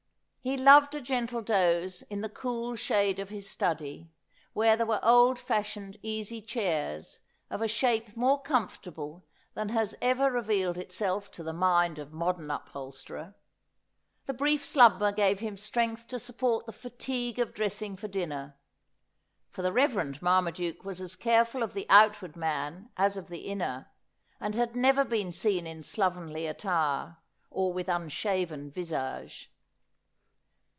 He loved a gentle doze in the cool shade of his study, where there were old fashioned easy chairs of a shape more comfortable than has ever revealed itself to the mind of modern upholsterer. The brief slumber gave him strength to support the fatigue of dressing for dinner, for the Reverend Marmaduke was as careful of the outward man as of the inner, and had never been seen in slovenly attire, or with unshaven visage.